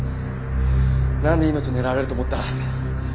なんで命狙われると思った？